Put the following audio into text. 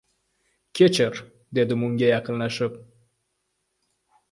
– Kechir, – dedim unga yaqinlashib.